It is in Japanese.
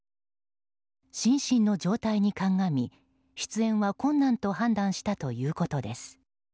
心身の状態に鑑み出演は困難と判断したということです。